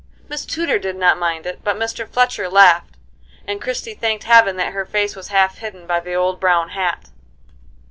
Miss Tudor did not mind it, but Mr. Fletcher laughed, and Christie thanked Heaven that her face was half hidden by the old brown hat.